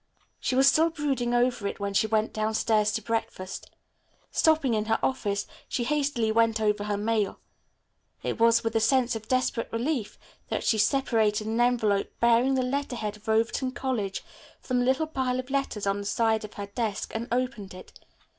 She was still brooding over it when she went downstairs to breakfast. Stopping in her office, she hastily went over her mail. It was with a sense of desperate relief that she separated an envelope, bearing the letter head of Overton College from the little pile of letters on the slide of her desk, and opened it.